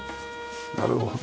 なるほど。